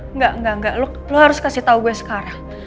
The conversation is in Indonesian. nggak nggak nggak lo harus kasih tau gue sekarang